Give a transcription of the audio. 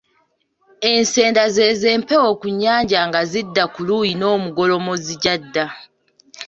Ensenda z'ezo empewo ku nnyanja nga zidda ku luuyi n’omugolomozi gy’adda.